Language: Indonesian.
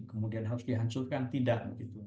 kemudian harus dihancurkan tidak